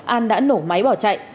an đã nổ máy bỏ chạy